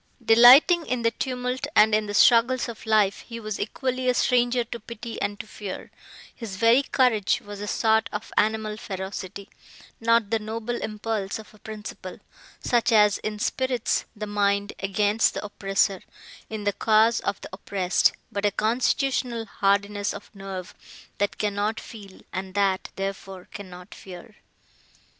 Delighting in the tumult and in the struggles of life, he was equally a stranger to pity and to fear; his very courage was a sort of animal ferocity; not the noble impulse of a principle, such as inspirits the mind against the oppressor, in the cause of the oppressed; but a constitutional hardiness of nerve, that cannot feel, and that, therefore, cannot fear.